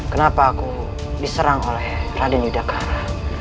kenapa aku diserang oleh raden widakara